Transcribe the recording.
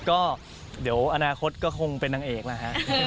ก็เดี๋ยวอนาคตก็คงเป็นนางเอกแล้วฮะ